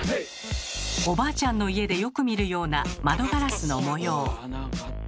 おばあちゃんの家でよく見るような窓ガラスの模様。